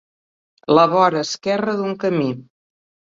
La vora esquerra d'un camí.